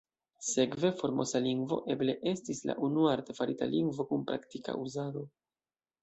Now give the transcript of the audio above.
Sekve, Formosa lingvo eble estis la unua artefarita lingvo kun praktika uzado.